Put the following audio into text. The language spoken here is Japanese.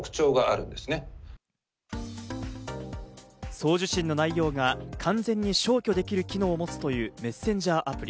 送受信の内容が完全に消去できる機能を持つというメッセンジャーアプリ。